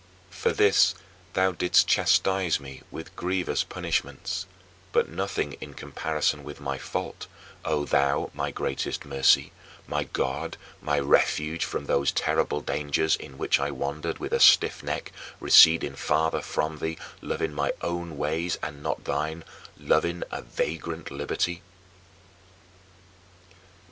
For this thou didst chastise me with grievous punishments, but nothing in comparison with my fault, O thou my greatest mercy, my God, my refuge from those terrible dangers in which I wandered with stiff neck, receding farther from thee, loving my own ways and not thine loving a vagrant liberty!